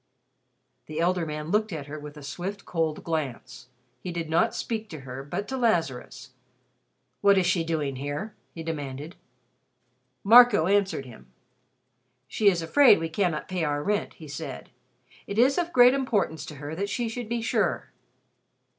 The elder man looked at her with a swift cold glance. He did not speak to her, but to Lazarus. "What is she doing here?" he demanded. Marco answered him. "She is afraid we cannot pay our rent," he said. "It is of great importance to her that she should be sure."